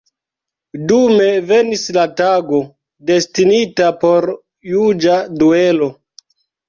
Dume venis la tago, destinita por la juĝa duelo.